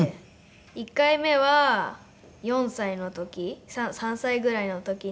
１回目は４歳の時３歳ぐらいの時に。